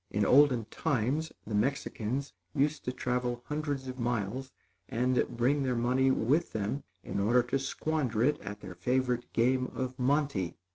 In olden times, the Mexicans used to travel hundreds of miles, and bring their money with them in order to squander it at their favorite game of monte.